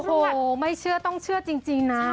โอ้โหไม่เชื่อต้องเชื่อจริงนะ